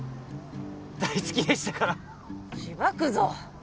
大好きでしたからしばくぞ！